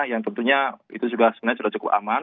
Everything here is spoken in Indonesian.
yang tentunya itu juga sebenarnya sudah cukup aman